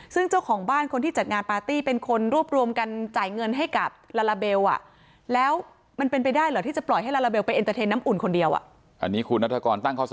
ซึ่งเจ้าของบ้านคนที่จัดงานปาร์ตี้เป็นคนรวบรวมกันจ่ายเงินให้กับลาลาเบลคนเดียว